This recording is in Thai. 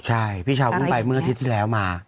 ใช่พี่เช้าเพิ่งไปเมื่ออาทิตย์ที่แล้วมา